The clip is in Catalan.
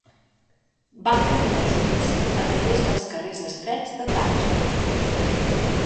Van caminar junts a través dels carrers estrets de Tànger.